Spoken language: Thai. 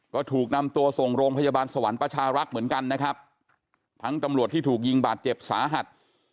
ก็ถูกนำตัวส่งโรงพยาบาลสวรรค์ประชารักษ์เหมือนกันนะครับทั้งตำรวจที่ถูกยิงบาดเจ็บสาหัส